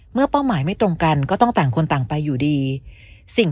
เป้าหมายไม่ตรงกันก็ต้องต่างคนต่างไปอยู่ดีสิ่ง